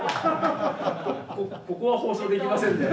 ここは放送できませんね。